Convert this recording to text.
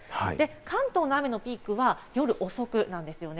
関東の雨のピークは夜遅くなんですよね。